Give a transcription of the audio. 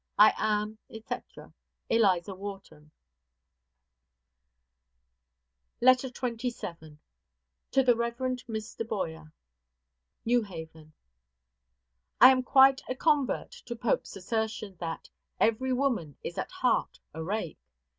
I am, &c., ELIZA WHARTON. LETTER XXVII. TO THE REV. MR. BOYER. NEW HAVEN. I am quite a convert to Pope's assertion, that "Every woman is at heart a rake."